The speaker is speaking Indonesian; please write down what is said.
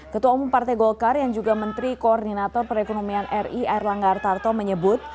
ketua umum partai golkar yang juga menteri koordinator perekonomian ri air langgar tarto menyebut